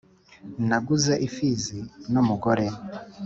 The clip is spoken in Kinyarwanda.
naguze imfizi n’umugore